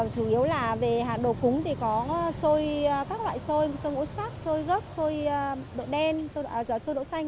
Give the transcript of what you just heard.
chủ yếu là về hạt đồ khúng thì có xôi các loại xôi xôi ngũ sắc xôi gớp xôi đậu đen xôi đậu xanh